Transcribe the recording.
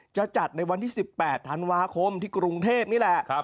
จะจัดในวันที่๑๘ธันวาคมที่กรุงเทพนี่แหละ